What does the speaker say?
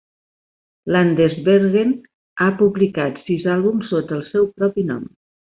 Landesbergen ha publicat sis àlbums sota el seu propi nom.